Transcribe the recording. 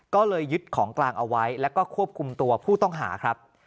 ก็เลยยึดของกลางเอาไว้แล้วก็ควบคุมตัวผู้ต้องหาครับ